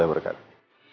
kita berangkat ya